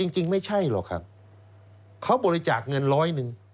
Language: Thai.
จริงไม่ใช่หรอกครับเขาบริจาคเงินร้อยหนึ่ง